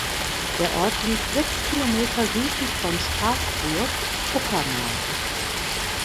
Der Ort liegt sechs Kilometer südlich von Strasburg (Uckermark).